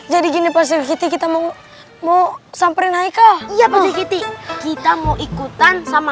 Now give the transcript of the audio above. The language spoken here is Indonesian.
jadi gini pasir kita mau mau samperin aiko iya kita mau ikutan sama